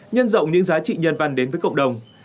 nhân rộng những giá trị nhân văn đến với cộng đồng